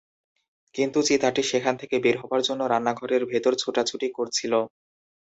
কিন্তু চিতাটি সেখান থেকে বের হওয়ার জন্য রান্নাঘরের ভেতর ছোটাছুটি করছিল।